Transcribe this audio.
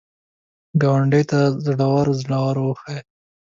ګاونډي ته زړور زړه وښیه